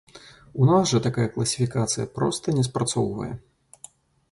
У нас жа такая класіфікацыя проста не спрацоўвае.